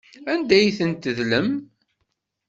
Anda ay tent-tedlem?